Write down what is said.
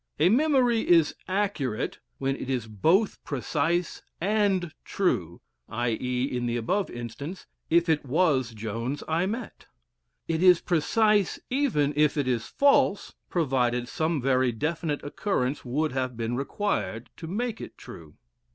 A memory is "accurate" when it is both precise and true, i.e. in the above instance, if it was Jones I met. It is precise even if it is false, provided some very definite occurrence would have been required to make it true.